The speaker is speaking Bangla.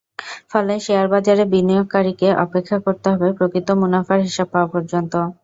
ফলে শেয়ারবাজারে বিনিয়োগকারীকে অপেক্ষা করতে হবে প্রকৃত মুনাফার হিসাব পাওয়া পর্যন্ত।